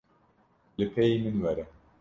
Li pêyî min were.